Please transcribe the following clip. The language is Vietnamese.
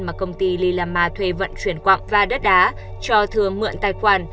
mà công ty lilama thuê vận chuyển quặng và đất đá cho thừa mượn tài khoản